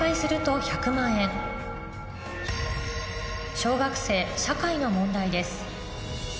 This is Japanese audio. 小学生社会の問題です